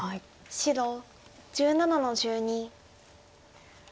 白１７の十二。